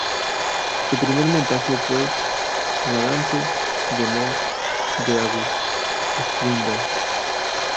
Su primer montaje fue "La Danse de mort", de August Strindberg.